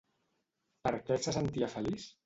Per què se sentia feliç?